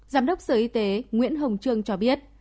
giám đốc sở y tế nguyễn hồng trương cho biết